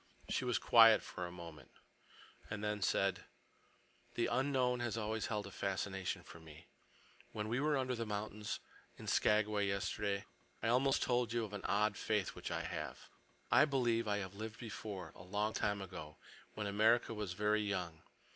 She was quiet for a moment, and then said: "The unknown has always held a fascination for me. When we were under the mountains in Skagway yesterday, I almost told you of an odd faith which I have. I believe I have lived before, a long time ago, when America was very young.